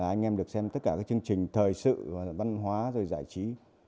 anh em được xem tất cả các chương trình thời sự văn hóa rồi giải trí